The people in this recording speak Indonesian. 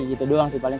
gitu doang sih paling